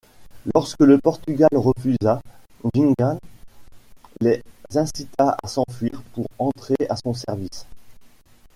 Lorsque le Portugal refusa, Nzinga les incita à s'enfuir pour entrer à son service.